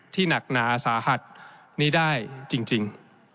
หนักหนาสาหัสนี้ได้จริง